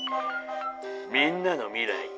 みんなの未来